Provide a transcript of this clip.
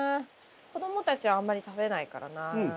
子供たちはあんまり食べないからな。